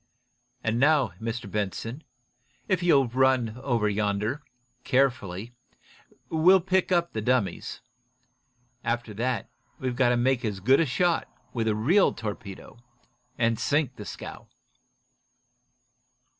And now, Mr. Benson, if you'll run over yonder, carefully, we'll pick up the dummies. After that, we've got to make as good a shot, with a real torpedo, and sink the scow."